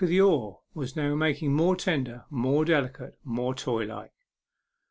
of the oar was now making more tender, more delicate, more toy like.